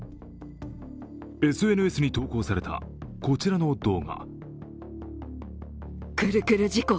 ＳＮＳに投稿された、こちらの動画。